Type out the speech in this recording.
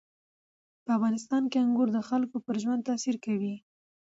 په افغانستان کې انګور د خلکو پر ژوند تاثیر کوي.